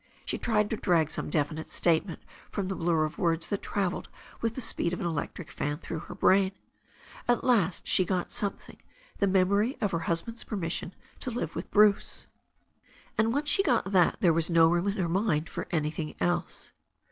She tried to drag some definite statement from the blurr of words that travelled with the speed of an electric fan through her brain. At last she got something, the memory of her husband's petm\s%\oxi \.o \\n^ ^VCcv ^xuce, and once THE STORY OF A NEW ZEALAND RIVER 381 she got that there was no room in her mind for anything else.